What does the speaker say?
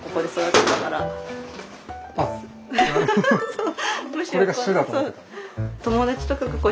そう。